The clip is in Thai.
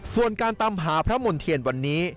ส่วนการตามหาพระมณ์เทียนวันนี้